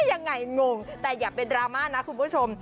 ยังไงงงแต่อย่าเป็นดราม่านะคุณผู้ชม